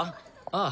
ああ。